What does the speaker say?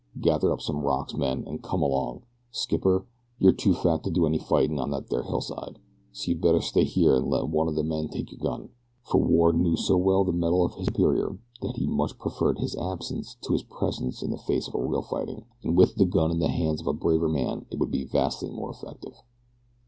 Gather up some rocks, men, an' come along. Skipper, you're too fat to do any fightin' on that there hillside, so you better stay here an' let one o' the men take your gun," for Ward knew so well the mettle of his superior that he much preferred his absence to his presence in the face of real fighting, and with the gun in the hands of a braver man it would be vastly more effective.